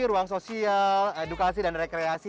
ruang sosial edukasi dan rekreasi